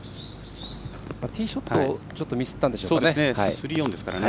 ティーショットをちょっとミスったんですかね。